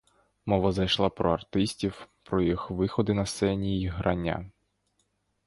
Мова зайшла про артистів, про їх виходи на сцені й грання.